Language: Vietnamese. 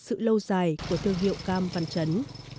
sự lâu dài của thương hiệu cam văn chấn